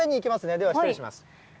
では失礼します。